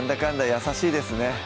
優しいですね